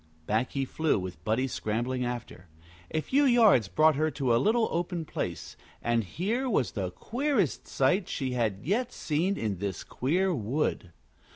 Back he flew, with Buddie scrambling after. A few yards brought her to a little open place, and here was the queerest sight she had yet seen in this queer wood.